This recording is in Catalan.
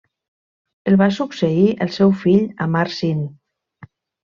El va succeir el seu fill Amar-Sin.